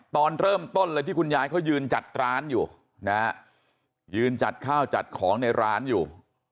ตอนเริ่มต้นเลยที่คุณยายเขายืนจัดร้านอยู่นะฮะยืนจัดข้าวจัดของในร้านอยู่